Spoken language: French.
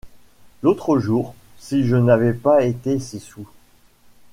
L’autre jour, si je n’avais pas été si soûl...